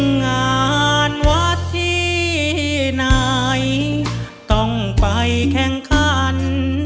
งานวัดที่ไหนต้องไปแข่งขัน